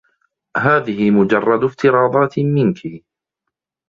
هذه مجرّد افتراضات منكِ.